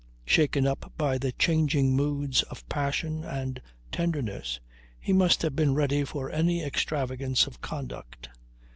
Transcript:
Shaken up by the changing moods of passion and tenderness, he must have been ready for any extravagance of conduct.